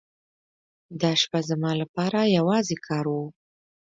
دا شپه زما لپاره یوازې کار و.